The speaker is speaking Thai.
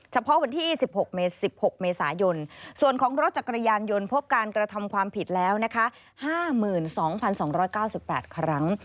เฉพาะวันที่๑๖๑๖เมษายนส่วนของรถจักรยานยนต์พบการกระทำความผิดแล้วนะคะ๕๒๒๙๘ครั้ง